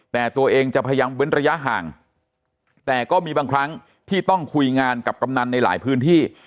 แต่ตัวเองจะพยายามเว้นระยะห่างแต่ก็มีบางครั้งที่ต้องคุยงานกับกำนันในหลายพื้นที่